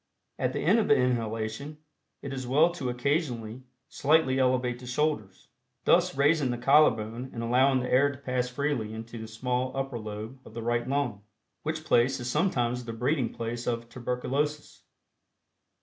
At the end of the inhalation, it is well to occasionally slightly elevate the shoulders, thus raising the collarbone and allowing the air to pass freely into the small upper lobe of the right lung, which place is sometimes the breeding place of tuberculosis.